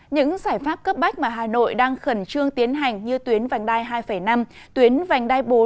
những giải pháp cấp bách mà hà nội đang khẩn trương tiến hành như tuyến vành đai hai năm tuyến vành đai bốn